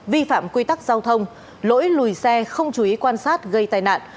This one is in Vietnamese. vi phạm quy tắc giao thông lỗi lùi xe không chú ý quan sát gây tai nạn